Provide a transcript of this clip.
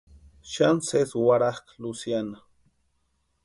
Xani sesi warhakʼa Luciana.